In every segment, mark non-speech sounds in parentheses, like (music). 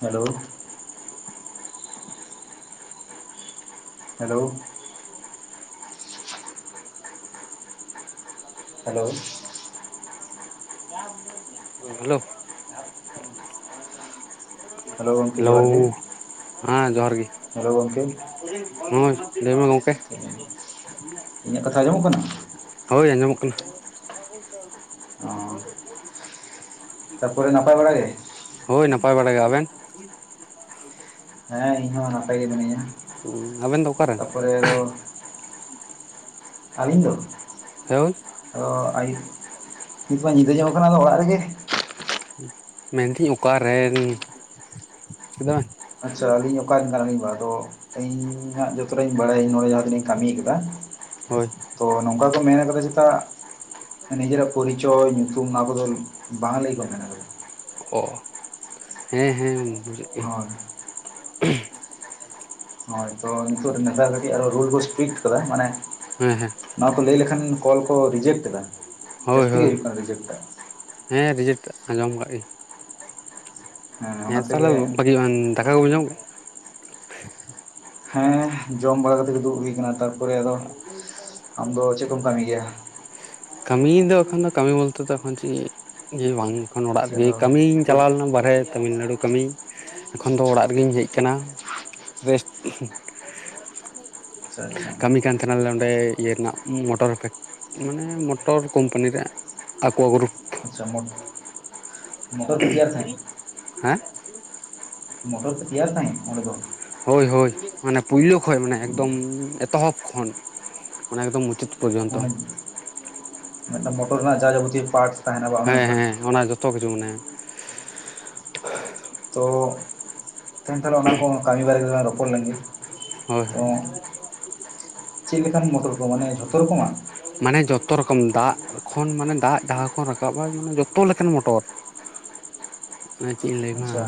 Hello hello ᱦᱮᱸ (inaudible) hello (unintelligible) ᱮ hello ᱜᱚᱢᱠᱮ hello ᱡᱚᱦᱟᱨ ᱜᱮ ᱦᱮᱸ ᱡᱚᱦᱟᱨ ᱜᱮ ᱦᱮᱞᱳ ᱜᱚᱢᱠᱮ ᱦᱳ ᱞᱟᱹᱭ ᱢᱮ ᱜᱚᱝᱠᱮ ᱤᱧᱟᱹᱜ ᱠᱟᱛᱷᱟ ᱟᱸᱡᱚᱢᱚᱜ ᱠᱟᱱᱟ᱾ ᱦᱳᱭ ᱟᱸᱡᱚᱢᱚᱜ ᱠᱟᱱᱟ᱾ ᱛᱯᱚᱨᱮ ᱱᱟᱯᱟᱭ ᱵᱟᱲᱟ ᱜᱮ᱾ ᱦᱳᱭ ᱱᱟᱯᱟᱭ ᱵᱟᱲᱟ ᱜᱮ ᱟᱵᱮᱱᱼ (unintelligible) ᱦᱮᱸ ᱤᱧ ᱦᱚᱸ ᱱᱟᱯᱟᱭ ᱜᱮ ᱢᱤᱱᱟᱹᱧᱟ᱾ ᱦᱩ. ᱟᱵᱮᱱ ᱫᱚ ᱚᱠᱟᱨᱮᱱ ᱛᱟᱯᱚᱨᱮ ᱟᱫᱚ ᱟᱹᱞᱤᱧ ᱫᱚ ᱦᱳᱭ ᱟᱭᱩ ᱠᱤ ᱟᱛᱵᱳ ᱧᱤᱫᱟᱹ ᱡᱚᱝ ᱠᱟᱱᱟ ᱟᱫᱚ ᱚᱲᱟᱜ ᱨᱮᱜᱮᱼᱼ ᱢᱮᱱᱫᱟᱹᱧ ᱚᱠᱟᱨᱮᱱ ᱪᱟ ᱟᱪᱷᱟ ᱟᱞᱤᱧ ᱚᱠᱟ ᱨᱮᱱ ᱠᱟᱱᱟ ᱞᱤᱝ ᱵᱟᱝ ᱟᱫᱚ ᱤᱧ ᱦᱟᱸᱜ ᱡᱚᱛᱚ ᱨᱤᱧ ᱵᱟᱲᱟᱭᱟ ᱱᱚᱰᱮ ᱡᱟᱦᱟᱸ ᱛᱤᱱᱟᱹᱜ ᱤᱧ ᱠᱟᱹᱢᱤᱭ ᱟᱠᱟᱫᱟ᱾ ᱦᱳᱭ ᱛᱚ ᱱᱚᱝᱠᱟ ᱠᱚ ᱢᱮᱱ ᱠᱟᱫᱟ ᱪᱮᱫᱟᱜ ᱱᱤᱡᱮᱨᱟᱜ ᱯᱚᱨᱤᱪᱚᱭ ᱧᱩᱛᱩᱢ ᱱᱚᱣᱟ ᱠᱚᱫᱚᱼᱼ (inaudible) ᱚ ᱦᱮᱸ ᱦᱮᱸ ᱵᱩᱡ ᱜᱮ ᱦᱳᱭ (unintelligible) ᱦᱳᱭ ᱛᱳ ᱱᱤᱛᱚᱜ ᱨᱮᱱ ᱱᱮᱛᱟᱨ ᱠᱟᱹᱴᱤᱡ ᱟᱨᱚ ᱨᱩᱞ ᱠᱚ ᱥᱴᱨᱤᱠ ᱠᱟᱫᱟ ᱢᱟᱱᱮᱼᱼ ᱦᱮᱸ ᱦᱮᱸ ᱱᱚᱣᱟ ᱠᱚ ᱞᱟᱹᱭ ᱞᱮᱠᱷᱟᱱ ᱠᱚᱞ ᱠᱚ ᱨᱤᱡᱮᱠᱴ ᱮᱫᱟ ᱦᱳᱭ ᱡᱟᱹᱥᱛᱤᱜ ᱜᱮ ᱦᱳᱭ ᱦᱩᱭᱩᱜ ᱠᱟᱱᱟ ᱨᱤᱡᱮᱠᱴ ᱮ ᱦᱮᱸ ᱨᱮᱡᱤᱴ ᱟᱸᱡᱚᱢ ᱟᱠᱟᱫ ᱜᱮᱧᱼᱼ ᱚᱱᱟ ᱦᱮᱸ ᱛᱟᱦᱚᱞᱮ ᱛᱮᱜᱮ ᱵᱷᱟᱹᱜᱤᱼᱟ ᱫᱟᱠᱟ ᱠᱚᱢ ᱡᱚᱢᱼᱼ ᱦᱮᱸ ᱡᱚᱢ ᱵᱟᱲᱟ ᱠᱟᱛᱮ ᱜᱮ ᱫᱩᱲᱩ ᱦᱩᱭ ᱟᱠᱟᱱᱟ ᱛᱟᱨᱯᱚᱨᱮ ᱟᱫᱚ ᱟᱢ ᱫᱚ ᱪᱮᱫ ᱠᱚᱢ ᱠᱟᱹᱢᱤ ᱜᱮᱭᱟ᱾ ᱠᱟᱹᱢᱤ ᱫᱚ ᱮᱠᱷᱚᱱ ᱫᱚ ᱠᱟᱹᱢᱤ ᱵᱚᱞᱛᱮ ᱚᱠᱷᱚᱱ ᱪᱮᱫ ᱡᱮ ᱵᱟᱝᱠᱷᱟᱱ ᱚᱲᱟᱜ ᱪᱮᱫ ᱨᱮᱜᱮ ᱟᱫᱚ ᱠᱟᱹᱢᱤᱧ ᱪᱟᱞᱟᱣ ᱞᱮᱱᱟ ᱵᱟᱨᱦᱮ ᱛᱟᱹᱢᱤᱞᱱᱟᱹᱲᱩ ᱠᱟᱹᱢᱤ ᱮᱠᱷᱚᱱ ᱫᱚ ᱚᱲᱟᱜ ᱨᱮᱜᱮᱧ ᱦᱮᱡ ᱟᱠᱟᱱᱟ ᱨᱮᱥᱴ (unintelligible) ᱟᱪᱷᱟ ᱟᱪᱷᱟ ᱠᱟᱹᱢᱤ ᱠᱟᱱ ᱛᱟᱦᱮᱱᱟᱞᱮ ᱚᱸᱰᱮ ᱤᱭᱟᱹ ᱨᱮᱱᱟᱜ ᱢᱚᱴᱚᱨ ᱯᱷᱮᱠ ᱢᱟᱱᱮ ᱢᱚᱴᱚᱨ ᱠᱳᱢᱯᱟᱱᱤ ᱨᱮᱼᱼ ᱟᱠᱚᱣᱟᱜ ᱜᱟᱨᱩᱯ ᱟᱪᱷᱟ ᱢᱳᱚᱴᱚᱨ ᱯᱮ ᱛᱮᱭᱟᱨ ᱛᱟᱦᱮᱸ ᱦᱮᱸ ᱢᱚᱴᱚᱨ ᱯᱮ ᱛᱮᱭᱟᱨ ᱛᱟᱦᱮᱱᱟ ᱚᱸᱰᱮ ᱫᱚᱼᱼ ᱦᱳᱭ ᱦᱳᱭ ᱢᱟᱱᱮ ᱯᱳᱭᱞᱳ ᱠᱷᱚᱱ ᱢᱟᱱᱮ ᱮᱠᱫᱚᱢᱼᱼ ᱮᱛᱚᱦᱚᱯ ᱠᱷᱚᱱ ᱢᱟᱱᱮ ᱮᱠᱫᱚᱢ ᱢᱩᱪᱟᱹᱫ ᱯᱚᱨᱡᱚᱱᱛᱚ ᱢᱟᱱᱮ ᱢᱤᱫᱴᱟ ᱢᱚᱴᱚᱨ ᱨᱮᱱᱟᱜ ᱡᱟ ᱡᱟᱵᱚᱛᱤᱭᱚ ᱯᱟᱴ ᱦᱮᱸ ᱦᱮᱸ ᱚᱱᱟ ᱡᱚᱛᱚ ᱠᱤᱪᱷᱩ ᱢᱮᱱᱟᱭᱟ᱾ ᱛᱚ ᱛᱮᱱ ᱛᱟᱦᱞᱮ ᱚᱱᱟ ᱠᱚᱸ ᱠᱟᱹᱢᱤ ᱵᱟᱨᱮ ᱨᱮ ᱨᱚᱯᱚᱲ ᱞᱮᱱᱜᱮ ᱦᱳᱭ ᱛᱚ, ᱪᱮᱫ ᱞᱮᱠᱟᱱ ᱢᱚᱴᱚᱨ ᱠᱚ ᱢᱟᱱᱮ ᱡᱷᱚᱛᱚ ᱨᱚᱠᱚᱢᱟᱜ᱾ ᱢᱟᱱᱮ ᱡᱚᱛᱚ ᱨᱚᱠᱚᱢ ᱫᱟᱜ ᱠᱷᱚᱱ ᱢᱟᱱᱮ ᱫᱟᱜ ᱡᱟᱦᱟᱸ ᱠᱷᱚᱱ ᱨᱟᱠᱟᱵᱟᱭ ᱢᱟᱱᱮ ᱡᱚᱛᱚ ᱞᱮᱠᱟᱱ ᱢᱚᱴᱚᱨ᱾ (inaudible) ᱚᱱᱟ ᱪᱮᱫ ᱤᱧ ᱞᱟᱹᱭ ᱢᱟ ᱟᱪᱪᱷᱟ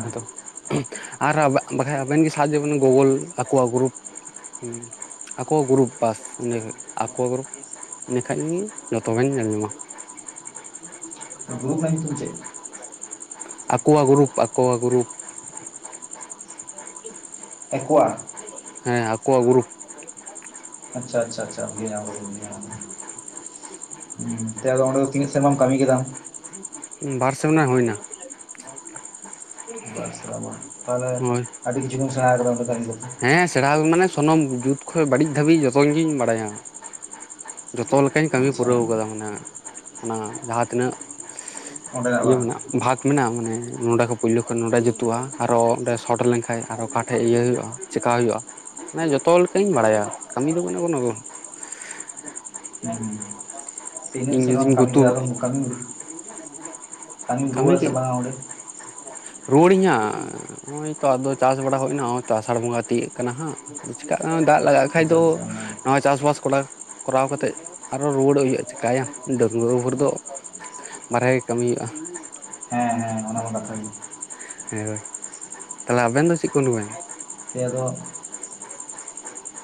ᱟᱨ ᱵᱟᱠᱷᱟᱡ ᱟᱵᱮᱱ ᱜᱮ ᱥᱟᱨᱡ ᱵᱮᱱ ᱜᱩᱜᱚᱞ ᱟᱠᱚᱣᱟᱜ ᱜᱨᱩᱯ ᱦᱮᱸ ᱟᱠᱚ ᱜᱨᱩᱨᱩᱯ ᱵᱟᱥ ᱤᱱᱟᱹ ᱜᱮ ᱟᱠᱚ ᱜᱨᱩᱯ᱾ ᱤᱱᱟᱹ ᱠᱷᱟᱱ ᱜᱮ ᱡᱚᱛᱚ ᱵᱮᱱ ᱧᱮᱞ ᱧᱟᱢᱟ᱾ ᱜᱨᱩᱯ ᱨᱮᱱᱟᱜ ᱧᱩᱛᱩᱢ ᱪᱮᱫ ᱟᱠᱚᱣᱟᱜ ᱜᱨᱩᱯ ᱟᱠᱚᱣᱟᱜ ᱜᱨᱩᱯ (inaudible) ᱛᱟᱠᱚᱣᱟ ᱦᱮᱸ ᱟᱠᱚᱣᱟᱜ ᱜᱩᱨᱩᱯ ᱟᱪᱪᱷᱟ ᱟᱪᱪᱷᱟ ᱟᱪᱷ᱾ ᱦᱩᱸ ᱛᱮ ᱚᱸᱰᱮ ᱫᱚ ᱛᱤᱱᱟᱹᱜ ᱥᱮᱨᱢᱟᱢ ᱠᱟᱹᱢᱤ ᱠᱮᱫᱟ? ᱵᱟᱨ ᱥᱮᱢᱱᱟ ᱦᱩᱭᱱᱟ᱾ (inaudible) ᱵᱟᱨ ᱥᱮᱨᱢᱟ ᱛᱟᱦᱚᱞᱮ ᱦᱳᱭ ᱟᱹᱰᱤ ᱠᱤᱪᱷᱩ ᱜᱮᱢ ᱥᱮᱬᱟᱣ ᱠᱟᱫᱟ ᱚᱸᱰᱮ ᱛᱚ ᱟᱢᱫᱚ᱾ ᱚᱱᱟᱢ ᱡᱩᱛ ᱠᱷᱚᱡ ᱵᱟᱹᱲᱤᱡ ᱫᱷᱟᱹᱵᱤᱡ ᱡᱚᱛᱚ ᱜᱤᱧ ᱵᱟᱲᱟᱭᱟ᱾ ᱡᱚᱛᱚ ᱞᱮᱠᱟᱧ ᱠᱟᱹᱢᱤ ᱟᱪᱪᱷᱟ ᱯᱩᱨᱟᱹᱣ ᱠᱟᱫᱟ ᱢᱟᱱᱮ ᱚᱱᱟ ᱡᱟᱦᱟᱸ ᱛᱤᱱᱟᱹᱜ ᱚᱸᱰᱮᱱᱟᱜ ᱤᱭᱟᱹ ᱵᱟᱝ? ᱢᱮᱱᱟᱜ ᱵᱷᱟᱜᱽ ᱢᱮᱱᱟᱜᱼᱟ ᱢᱟᱱᱮ ᱱᱚᱰᱮ ᱠᱷᱚᱡ ᱯᱩᱭᱞᱩ ᱠᱷᱚᱱ ᱱᱚᱰᱮ ᱡᱩᱛᱩᱜᱼᱟ ᱟᱨᱚ ᱚᱸᱰᱮ ᱥᱚᱴ ᱞᱮᱱᱠᱷᱟᱡ ᱟᱨᱚ ᱚᱠᱟ ᱴᱷᱮᱡ ᱤᱭᱟᱹ ᱦᱩᱭᱩᱜᱼᱟ᱾ ᱪᱮᱠᱟ ᱦᱩᱭᱩᱜᱼᱟ ᱢᱟᱱᱮ ᱡᱚᱛᱚ ᱞᱮᱠᱟᱧ ᱵᱟᱲᱟᱭᱟ ᱠᱟᱹᱢᱤ ᱫᱚ ᱢᱟᱱᱮ ᱵᱟᱹᱱᱩᱜ ᱟᱫᱚ᱾ (unintelligible) ᱛᱱᱟᱹᱜ ᱥᱮᱨᱢᱟᱢ ᱡᱩᱫᱤᱧ ᱠᱟᱹᱢᱤ ᱜᱩᱛᱩ ᱠᱮᱫᱟ ᱟᱫᱚ ᱠᱟᱹᱢᱤ ᱠᱟᱹᱢᱤᱢ ᱠᱟᱹᱢᱤ ᱨᱩᱣᱟᱹᱲᱟ ᱥᱮ ᱜᱮ ᱵᱟᱝ ᱚᱸᱰᱮ᱾ ᱨᱩᱣᱟᱹᱲᱤᱧ ᱦᱟᱸᱜ᱾ ᱱᱚᱜ ᱚᱭ ᱛᱚ ᱟᱫᱚ ᱪᱟᱥ ᱵᱟᱲᱟ ᱦᱩᱭ ᱱᱟ ᱚᱭ ᱛᱚ ᱟᱥᱟᱲ ᱵᱚᱸᱜᱟ ᱛᱤᱭᱟᱹᱜ ᱠᱟᱱᱟ ᱦᱟᱸᱜ᱾ ᱟᱫᱚ ᱪᱤᱠᱟᱜ ᱠᱟᱱᱟ ᱫᱟᱜ ᱞᱟᱜᱟᱜ ᱠᱷᱟᱡ ᱟᱪᱪᱷᱟ ᱫᱚ ᱟᱪᱪᱷᱟ ᱚᱱᱟ ᱱᱚᱣᱟ ᱪᱟᱥᱵᱟᱥ ᱠᱚᱨᱟ ᱠᱚᱨᱟᱣ ᱠᱟᱛᱮᱫ ᱟᱨᱚ ᱨᱩᱣᱟᱹᱲᱚᱜ ᱦᱩᱭᱩᱜᱼᱟ ᱪᱤᱠᱟᱭᱟᱢ ᱰᱟᱺᱜᱞᱟᱹᱣ ᱦᱚᱲ ᱫᱚ᱾ ᱵᱟᱨᱦᱮ ᱠᱟᱹᱢᱤ ᱦᱩᱭᱩᱜᱼᱟ᱾ ᱦᱮᱸ ᱦᱮᱸ ᱚᱱᱟᱢᱟ ᱠᱟᱛᱷᱟ ᱜᱤ᱾ ᱦᱮᱸ ᱦᱳᱭ᱾ ᱛᱟᱦᱚᱞᱮ ᱟᱵᱮᱱ ᱫᱚ ᱪᱤᱫ ᱩᱸᱰ ᱵᱮᱱ? ᱟᱭᱮ ᱫᱚ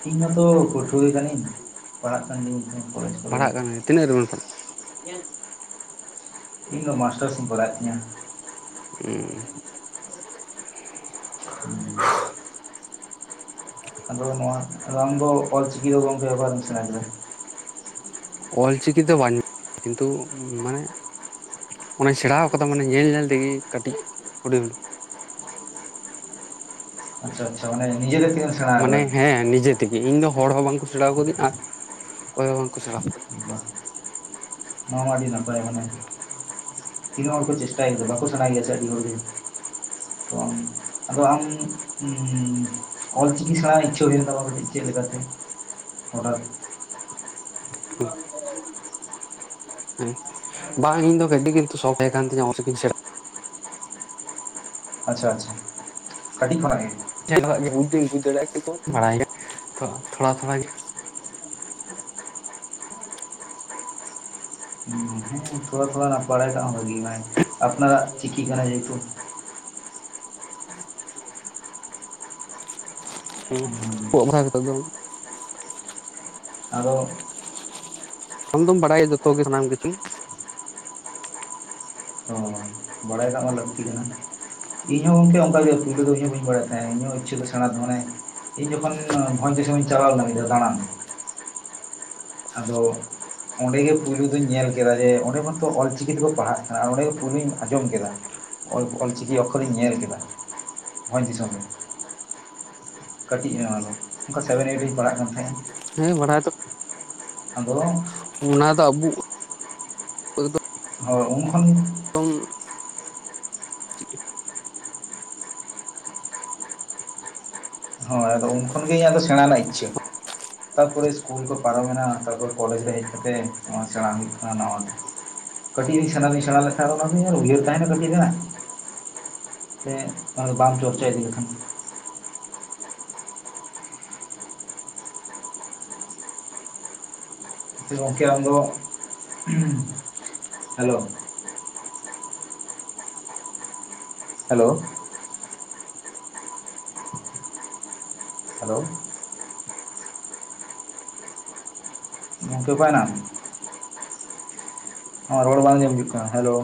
ᱤᱧ ᱢᱟᱛᱚ ᱯᱟᱹᱴᱷᱩᱭᱟᱹ ᱠᱟᱱᱤᱧ ᱯᱟᱲᱦᱟᱜ ᱠᱟᱱ ᱜᱤᱭᱟᱹᱧ ᱛᱟᱸᱦᱮ᱾ ᱯᱟᱲᱦᱟᱜ ᱠᱟᱱᱟᱢ ᱛᱤᱱᱟᱹᱜ ᱨᱮᱵᱮᱱ ᱯᱟᱲᱦᱟᱜ? ᱤᱧ ᱫᱚ ᱢᱟᱥᱴᱟᱨᱥ ᱤᱧ ᱠᱚᱨᱟᱣᱮᱫ ᱛᱤᱧᱟ᱾ ᱩᱸ᱾ ᱟᱫᱚ ᱱᱚᱣᱟ ᱟᱨ ᱟᱢ ᱫᱚ ᱚᱞ ᱪᱤᱠᱤ ᱫᱚ ᱜᱚᱝᱠᱮ ᱚᱠᱟᱨᱮᱢ ᱥᱮᱬᱟ ᱠᱮᱫᱟ? ᱚᱞ ᱪᱤᱠᱤ ᱫᱚ ᱵᱟᱧ ᱠᱤᱱᱛᱩ ᱢᱟᱱᱮ ᱚᱱᱟᱧ ᱥᱮᱬᱟᱣ ᱠᱟᱫᱟ ᱢᱟᱱᱮ ᱧᱮᱞ ᱧᱮᱞ ᱛᱮᱜᱮ ᱠᱟᱹᱴᱤᱡ ᱦᱩᱰᱤᱝ᱾ ᱟᱪᱪᱷᱟ ᱟᱪᱪᱷᱟ ᱢᱟᱱᱮ ᱱᱤᱡᱮ ᱛᱮ ᱛᱤᱱᱟᱹᱜ ᱥᱮᱬᱟ ᱢᱟᱱᱮ ᱟᱠᱟᱫᱟ? ᱦᱮᱸ ᱱᱤᱡᱮ ᱛᱤᱜᱤ ᱤᱧ ᱫᱚ ᱦᱚᱲ ᱦᱚᱸ ᱵᱟᱝᱠᱚ ᱥᱮᱬᱟᱣ ᱠᱟᱹᱫᱤᱧ ᱟᱨ ᱚᱠᱚᱭ ᱦᱚᱸ ᱵᱟᱝᱠᱚ ᱥᱮᱬᱟᱣ ᱠᱟᱹᱫᱤᱧ᱾ ᱵᱟᱦ ᱱᱚᱣᱟ ᱢᱟ ᱟᱹᱰᱤ ᱱᱟᱯᱟᱭ ᱢᱟᱱᱮ ᱛᱤᱱᱟᱹᱜ ᱦᱚᱲ ᱠᱚ ᱪᱮᱥᱴᱟᱭ ᱜᱮᱛᱚ ᱵᱟᱠᱚ ᱥᱟᱬᱟᱭ ᱜᱮᱭᱟ ᱥᱮ ᱟᱹᱰᱤ ᱦᱚᱲᱜᱮ᱾ ᱛᱚ ᱟᱢ, ᱟᱫᱚ ᱟᱢ ᱚᱞ ᱪᱤᱠᱤ ᱥᱮᱬᱟᱣ ᱤᱪᱪᱷᱟᱹ ᱦᱩᱭᱮᱱ ᱛᱟᱢᱟ ᱠᱟᱹᱴᱤᱡ᱾ ᱪᱮᱫ ᱞᱮᱠᱟᱛᱮ ᱚᱱᱟᱜᱤ᱾ (unintelligible) ᱦᱮᱸ ᱵᱟᱝ ᱤᱧ ᱫᱚ ᱜᱟᱹᱰᱤ ᱠᱤᱱᱛᱩ ᱥᱚᱠ ᱛᱟᱦᱮᱸ ᱠᱟᱱ ᱛᱤᱧᱟᱹ᱾ ᱚᱠ ᱪᱤᱠᱤ ᱥᱮᱫ᱾ ᱟᱪᱪᱷᱟ - ᱟᱪᱪᱷᱟ, ᱠᱟᱹᱴᱤᱡ ᱠᱷᱚᱱᱟ-ᱜ ᱜᱮ? (unintelligible) ᱵᱩᱡ ᱫᱚᱧ ᱵᱩᱡᱷ ᱫᱟᱨᱮᱭᱟᱜᱼᱟ᱾ ᱠᱤᱱᱛᱩ ᱵᱟᱲᱟᱭ ᱜᱮᱭᱟ ᱛᱷᱚ ᱛᱷᱽᱚᱲᱟ ᱛᱷᱽᱚᱲᱟ ᱜᱮ᱾ ᱦᱮᱸ ᱛᱷᱽᱚᱲᱟ, ᱛᱷᱽᱚᱲᱟ ᱚᱱᱟ ᱵᱟᱲᱟᱭ ᱠᱟᱜ ᱦᱚᱸ ᱵᱷᱟᱹᱜᱤ ᱱᱟᱭ ᱟᱯᱱᱟᱨᱟ-ᱜ ᱪᱤᱠᱤ ᱠᱟᱱᱟ᱾ ᱡᱮᱦᱮᱛᱩ᱾ (inaudible) ᱦᱩᱸ ᱠᱚᱜ ᱵᱟᱲᱟ ᱠᱟᱛᱮ ᱫᱚᱝ ᱟᱫᱚ ᱟᱢ ᱫᱚᱢ ᱵᱟᱲᱟᱭᱟ᱾ ᱡᱚᱛᱚ ᱜᱮ ᱥᱟᱱᱟᱢ ᱠᱤᱪᱷᱩᱭ᱾ ᱵᱟᱲᱟᱭ ᱠᱟᱜ ᱢᱟ ᱞᱟᱹᱠᱛᱤ ᱠᱟᱱᱟ᱾ ᱤᱧ ᱦᱚᱸ ᱜᱚᱝᱠᱮ ᱚᱱᱠᱟᱜᱮ ᱯᱩᱭᱞᱳ ᱫᱚ, ᱤᱧ ᱦᱚᱸ ᱵᱟᱹᱧ ᱵᱟᱲᱟᱭᱮᱫ ᱛᱟᱦᱮᱸᱱᱟ᱾ ᱤᱧᱟᱹᱜ ᱤᱪᱪᱷᱟᱹ ᱫᱚ ᱥᱮᱬᱟᱸ ᱫᱷᱚᱬᱮᱸ᱾ ᱤᱧ ᱡᱚᱠᱷᱚᱱ ᱵᱷᱚᱸᱡᱽ ᱫᱤᱥᱚᱢᱤᱧ ᱪᱟᱞᱟᱣ ᱞᱮᱱᱟ᱾ ᱤᱧ ᱫᱚ ᱫᱟᱬᱟᱱ ᱟᱫᱚ ᱚᱸᱰᱮᱜᱮ ᱯᱩᱭᱞᱩ ᱫᱚᱧ ᱧᱮᱞ ᱠᱮᱫᱟ᱾ ᱡᱮ ᱚᱸᱰᱮ ᱢᱟᱛᱚ ᱚᱞ ᱪᱤᱠᱤ ᱛᱮᱠᱚ ᱯᱟᱲᱦᱟ-ᱜ ᱠᱟᱱᱟ᱾ ᱟᱨ ᱚᱸᱰᱮ ᱜᱮ ᱯᱩᱭᱞᱩᱧ ᱟᱸᱡᱚᱢ ᱠᱮᱫᱟ᱾ ᱚᱞ ᱚᱞ ᱪᱤᱠᱤ ᱚᱠᱠᱷᱚᱨ ᱤᱧ ᱧᱮᱞ ᱠᱮᱫᱟ᱾ ᱵᱷᱚᱸᱡᱽ ᱫᱤᱥᱚᱢ ᱨᱮ᱾ ᱠᱟᱹᱴᱤᱡ ᱱᱚᱣᱟ ᱫᱚ᱾ ᱚᱱᱠᱟ ᱥᱮᱵᱷᱮᱱ ᱮᱭᱤᱴ ᱨᱮᱧ ᱯᱟᱲᱦᱟ-ᱜ ᱠᱟᱱ ᱛᱟᱦᱮᱸ ᱟ᱾ ᱦᱮᱸ ᱵᱟᱲᱟᱭ ᱫᱚ ᱟᱫᱚ ᱚᱱᱟ ᱫᱚ ᱟᱵᱚ ᱟᱵᱚᱱ ᱠᱷᱚᱱ ᱛᱚᱝ ᱦᱳᱭ ᱩᱱ ᱠᱷᱚᱱ ᱜᱮ, ᱤᱧᱟᱹᱜ ᱥᱮᱬᱟᱸ ᱨᱮᱱᱟ-ᱜ ᱤᱪᱪᱷᱟᱹ ᱛᱟᱨᱯᱚᱨᱮ ᱤᱥᱠᱩᱞ ᱠᱚ᱾ ᱯᱟᱨᱚᱢᱮᱱᱟ᱾ ᱛᱟᱨᱯᱚᱨ ᱠᱚᱞᱮᱡᱽ ᱨᱮ ᱦᱮᱡ ᱠᱟᱛᱮ ᱥᱮᱬᱟᱸ ᱦᱩᱭᱩ-ᱜ ᱠᱟᱱᱟ᱾ ᱱᱚ ᱚᱰᱮ ᱠᱟᱹᱴᱤᱡᱧ ᱨᱤᱧ ᱥᱮᱬᱟᱸ ᱨᱤᱧ ᱥᱮᱬᱟᱸ ᱞᱮᱠᱷᱟᱱ ᱚᱱᱟᱫᱚ ᱤᱧᱟᱝ ᱩᱭᱦᱟᱹᱨ ᱛᱟᱦᱮᱱᱟ ᱞᱟᱠᱛᱤ ᱟᱠᱟᱱᱟ᱾ ᱛᱮ ᱟᱨ ᱵᱟᱢ ᱪᱚᱨᱪᱟ ᱤᱫᱤ ᱞᱮᱠᱷᱟᱱ᱾ ᱜᱚᱝᱠᱮ ᱟᱢ ᱫᱚ, ᱦᱮᱞᱳ ᱦᱮᱞᱳ ᱦᱮᱞᱳ ᱜᱚᱝᱠᱮ ᱚᱠᱟᱭ ᱱᱟᱢ? ᱦᱚᱸ ᱨᱳᱲ ᱵᱟᱝ ᱟᱡᱚᱢ ᱦᱮᱡᱚᱠ ᱠᱟᱱᱟ᱾ ᱦᱮᱞᱳ